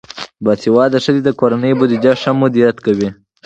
باسواده ښځې د کورنۍ بودیجه ښه مدیریت کوي.